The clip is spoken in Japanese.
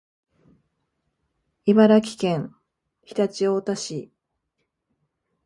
茨城県常陸太田市